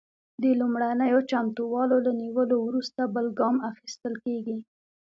د لومړنیو چمتووالو له نیولو وروسته بل ګام اخیستل کیږي.